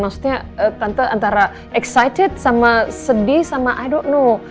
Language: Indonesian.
maksudnya tante antara excited sama sedih sama i don't know